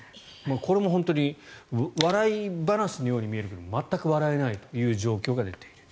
これも本当に笑い話のように見えるけど全く笑えないという状況が出ている。